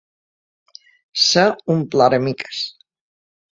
Ser un ploramiques.